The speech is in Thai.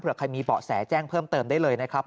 เพื่อใครมีเบาะแสแจ้งเพิ่มเติมได้เลยนะครับ